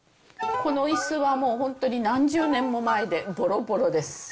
このいすはもう本当に何十年も前でぼろぼろです。